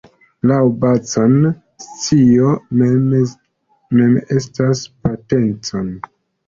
Laŭ Bacon, "scio mem estas potenco".